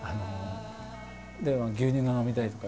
で「牛乳が飲みたい」とか。